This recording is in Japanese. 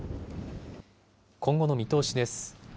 今後の見通しです。